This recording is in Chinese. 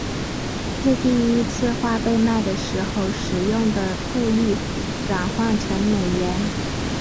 自第一次画被卖的时候使用的汇率转换成美元。